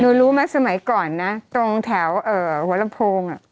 หนูรู้มาสมัยก่อนนะตรงแถวเอ่อหัวละโพงอ่ะ